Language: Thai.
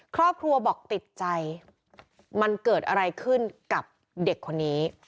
ครอบครัวบอกติดใจมันเกิดอะไรขึ้นกับเด็กคนนี้